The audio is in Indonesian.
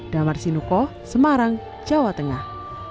damar sinuko semarang jawa tengah